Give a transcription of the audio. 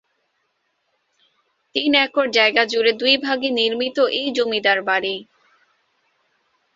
তিন একর জায়গা জুড়ে দুই ভাগে নির্মিত এই জমিদার বাড়ি।